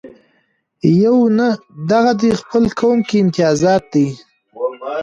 یونه دغه دې خپل قوم کې امتیازات دي.